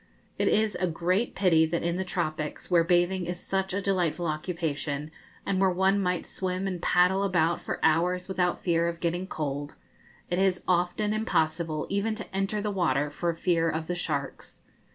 It is a great pity that in the tropics, where bathing is such a delightful occupation, and where one might swim and paddle about for hours without fear of getting cold, it is often impossible even to enter the water for fear of the sharks.